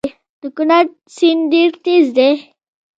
د کونړ سیند ډیر تېز دی